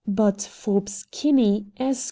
But Forbes Kinney, Esq.